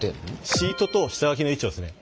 シートと下書きの位置をですね